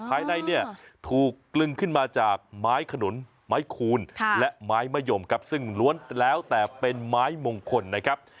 ภายในเนี่ยถูกกลึงขึ้นมาจากไม้ขนุนไม้คูณและไม้มะยมครับซึ่งล้วนแล้วแต่เป็นไม้มงคลนะครับ